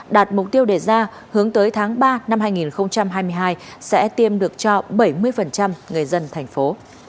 đạt mục tiêu đề ra hướng tới tháng ba năm hai nghìn hai mươi hai sẽ tiêm được cho bảy mươi người dân thành phố